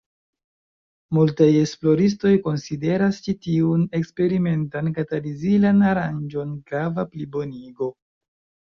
Multaj esploristoj konsideras ĉi tiun eksperimentan katalizilan aranĝon grava plibonigo.